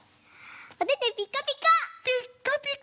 おててピッカピカ！